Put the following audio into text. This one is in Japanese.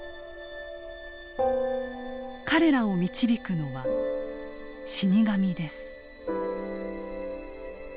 彼らを導くのは死に神です。